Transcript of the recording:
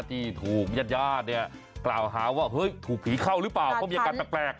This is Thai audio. ที่ถูกญาติญาติเนี่ยกล่าวหาว่าเฮ้ยถูกผีเข้าหรือเปล่าเพราะมีอาการแปลก